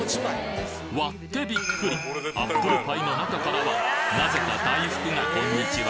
割ってびっくりアップルパイの中からはなぜか大福がこんにちは